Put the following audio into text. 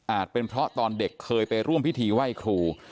เป็นเพราะตอนเด็กเคยไปร่วมพิธีไหว้ครู